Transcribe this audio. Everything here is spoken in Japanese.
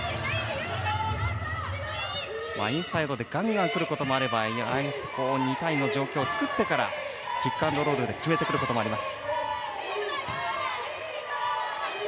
インサイドでガンガン来ることもあれば２対２の状況を作ってからピックアンドロールで決めてくることもあります。